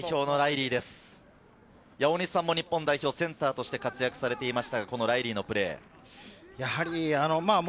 大西さんも日本代表のセンターとして活躍されていましたがライリーのプレー、いかがですか？